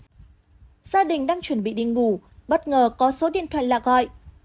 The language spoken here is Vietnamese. gia đình đang chuẩn bị đi ngủ bất ngờ có số điện thoại lạ gọi